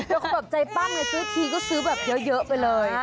แล้วเขาแบบใจปั้มไงซื้อทีก็ซื้อแบบเยอะไปเลย